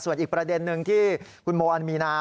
ส่วนอีกประเด็นนึงที่คุณโมอันมีนา